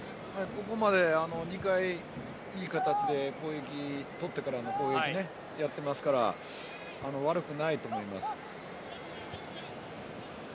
ここまで２回、いい形で取ってからの攻撃やってますから悪くないと思います。